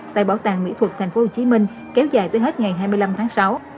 tại bảo tàng mỹ thuật tp hcm kéo dài tới hết ngày hai mươi năm tháng sáu